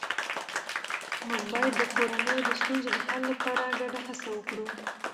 موږ باید د کورنۍ د ستونزو د حل لپاره ګډه هڅه وکړو